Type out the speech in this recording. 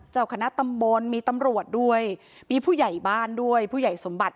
เจ้าคณะตำบลมีตำรวจด้วยมีผู้ใหญ่บ้านด้วยผู้ใหญ่สมบัติ